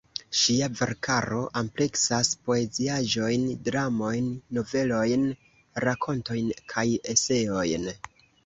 Ŝia verkaro ampleksas poeziaĵojn, dramojn, novelojn, rakontojn kaj eseojn.